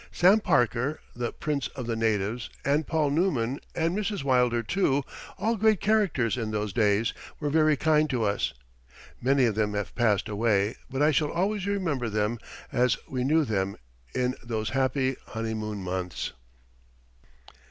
Sam Parker, "the prince of the natives," and Paul Neumann, and Mrs. Wilder, too, all great characters in those days, were very kind to us. Many of them have passed away, but I shall always remember them as we knew them in those happy honeymoon months.